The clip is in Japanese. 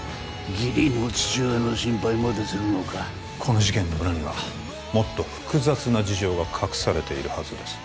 義理の父親の心配までするのかこの事件の裏にはもっと複雑な事情が隠されているはずです